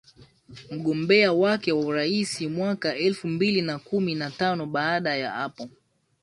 mgombea wake wa urais mwaka elfu mbili na kumi na tano Baada ya hapo